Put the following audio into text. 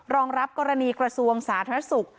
รองรับกรณีกระทรวงสาธารณสุข